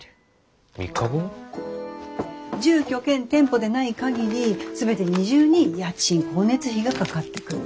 住居兼店舗でない限り全て二重に家賃光熱費がかかってくる。